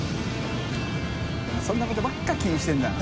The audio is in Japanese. そんなことばっか気にしてるんだな。